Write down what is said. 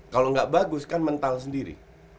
kalo gak bagus kan mental sendiri